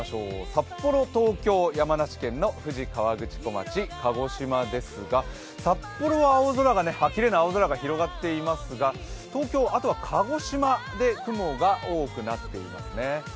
札幌、東京、山梨県の富士河口湖町、鹿児島ですが札幌はきれいな青空が広がっていますが東京、あとは鹿児島で雲が多くなっていますね。